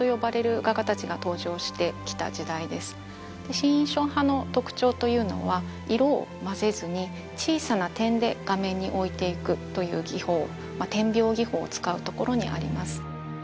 新印象派の特徴というのは色を混ぜずに小さな点で画面に置いていくという技法まあ点描技法を使うところにあります